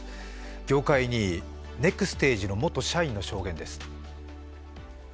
業界２位ネクステージの元社員の証言です。